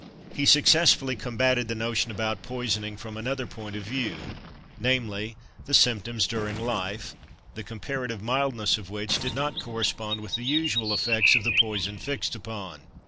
He successfully combated the notion about poisoning from another point of view, namely, the symptoms during life, the comparative mildness of which did not correspond with the usual effects of the poison fixed upon.